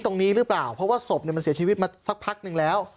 ตรงนี้หรือเปล่าเพราะว่าศพเนี่ยมันเสียชีวิตมาสักพักหนึ่งแล้ว